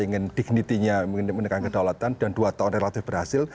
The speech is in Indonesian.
ingin dignitinya menekan kedaulatan dan dua tahun relatif berhasil